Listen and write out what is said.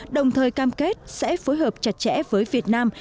đồng thời cam kết sẽ phối hợp chặt chẽ với việt nam